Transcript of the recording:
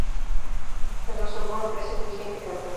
El Rosenborg es el vigente campeón.